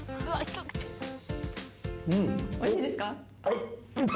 おいしいですか？